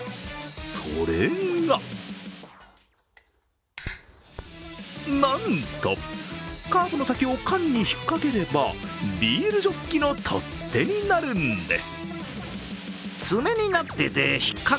それがなんと、カーブの先を缶にひっかければビールジョッキの取っ手になるんです。